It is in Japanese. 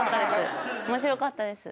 面白かったです。